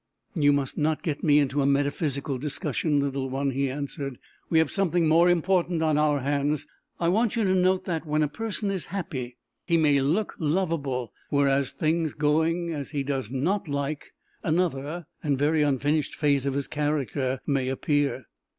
"You must not get me into a metaphysical discussion, little one," he answered. "We have something more important on our hands. I want you to note that, when a person is happy, he may look lovable; whereas, things going as he does not like, another, and very unfinished phase of his character may appear."